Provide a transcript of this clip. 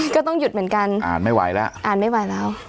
ก็ต้องหยุดเหมือนกันอ่านไม่ไหวแล้ว